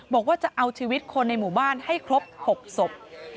บอกว่าจะเอาชีวิตคนในหมู่บ้านให้ครบ๖ศพ